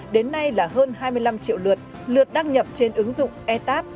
đến nay là hơn hai mươi năm triệu lượt lượt đăng nhập trên ứng dụng etat